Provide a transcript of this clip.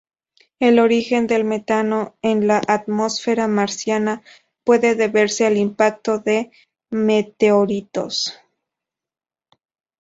El origen del metano en la atmósfera marciana puede deberse al impacto de meteoritos.